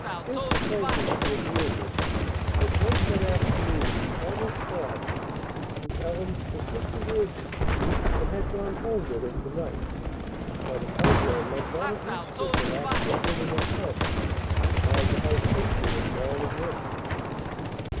Just supposing she had yielded as once that afternoon she almost had to Ellen's persistent urgings, and had gone home with her to night! Why, the telegram might not have reached her till after the children had come, and found the house empty, and gone again!